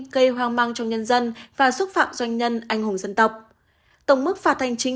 gây hoang mang trong nhân dân và xúc phạm doanh nhân anh hùng dân tộc tổng mức phạt hành chính